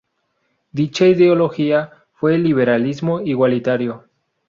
Dicha ideología, fue el Liberalismo Igualitario.